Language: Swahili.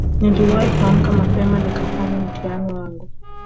niliwahi kuamka mapema nikafanye mtihani wangu